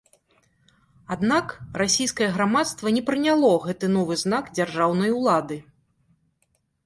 Аднак расійскае грамадства не прыняло гэты новы знак дзяржаўнай улады.